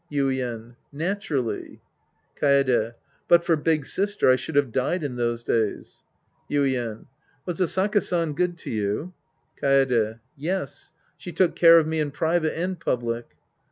Yuien. Naturally. Kaede. But for big sister, I should have died in those days. Yuien. Was Asaka San good to you ? Kaede. Yes. She took care of me in private and public.